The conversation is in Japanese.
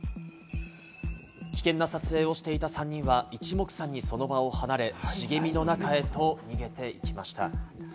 危険な撮影をしていた３人は、一目散にその場を離れ、茂みの中へと逃げていきました。